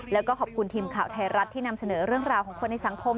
แล้วก็ขอบคุณทีมข่าวไทยรัฐที่นำเสนอเรื่องราวของคนในสังคม